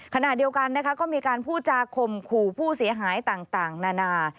ขณะเดียวกันนะคะก็มีการพูดจาคมขู่ผู้เสียหายต่างนานา